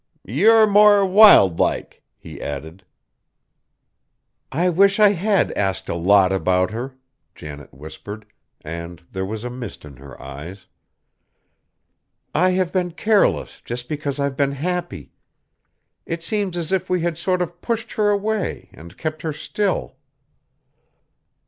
"Ye're more wild like," he added. "I wish I had asked a lot about her," Janet whispered, and there was a mist in her eyes; "I have been careless just because I've been happy. It seems as if we had sort of pushed her away, and kept her still."